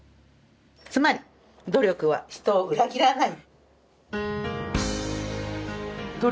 つまり、努力は人を裏切らない。